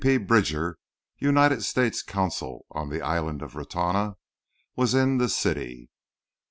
P. Bridger, United States consul on the island of Ratona, was in the city.